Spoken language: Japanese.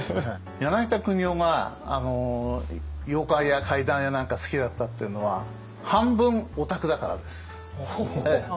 柳田国男が妖怪や怪談やなんか好きだったっていうのは半分オタクだからです。